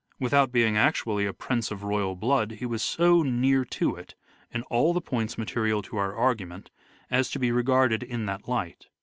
Without being actually a prince of royal blood he was so near to it, in all the points material to our argument, as to be regarded in that light.